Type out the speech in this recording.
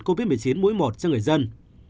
covid một mươi chín mũi một cho người dân